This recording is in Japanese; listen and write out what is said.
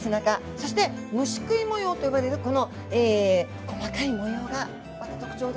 そして虫食い模様と呼ばれるこの細かい模様が特徴ですね。